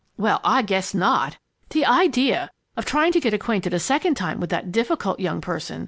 "Well, I guess not! The idea of trying to get acquainted a second time with that difficult young person!"